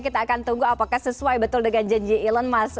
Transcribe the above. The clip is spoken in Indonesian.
kita akan tunggu apakah sesuai betul dengan janji endle learn mas